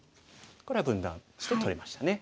これは分断して取れましたね。